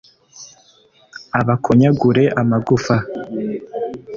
abakonyagure amagufa.